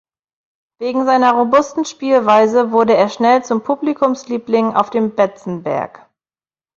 Wegen seiner robusten Spielweise wurde er schnell zum Publikumsliebling auf dem Betzenberg.